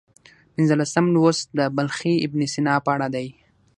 پنځلسم لوست د بلخي ابن سینا په اړه دی.